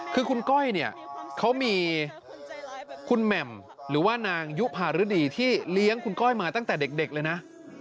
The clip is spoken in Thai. คือคุณก้อยเนี่ยเขามีคุณแหม่มหรือว่านางยุภารดีที่เลี้ยงคุณก้อยมาตั้งแต่เด็กเลยนะ